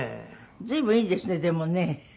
随分いいですねでもね。